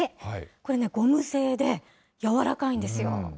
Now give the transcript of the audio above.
これね、ゴム製で軟らかいんですよ。